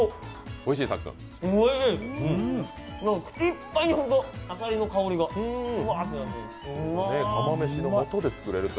おいしい、口いっぱいにあさりの香りがふわーっと。